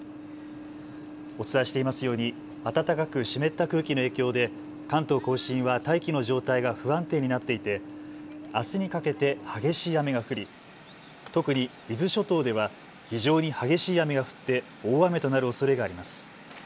お伝えしていますように暖かく湿った空気の影響で関東甲信は大気の状態が不安定になっていてあすにかけて激しい雨が降り特に伊豆諸島では非常に激しい雨が降って大雨となるおそれがあります。